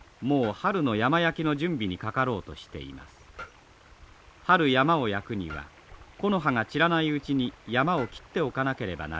春山を焼くには木の葉が散らないうちに山を切っておかなければなりません。